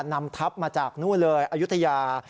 นำทัพมาจากนู่นเลยอายุทยา